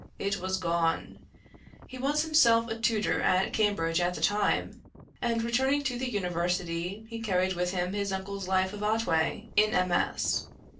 It was gone. He was himself a tutor at Cambridge at the time, and returning to the university, he carried with him his uncle's life of Otway, in MS.